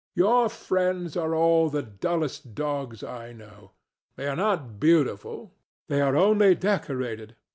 Your friends are all the dullest dogs I know. They are not beautiful: they are only decorated.